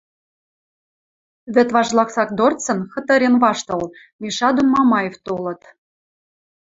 Вӹд важ лаксак дорцын, кытырен-ваштыл, Миша дон Мамаев толыт.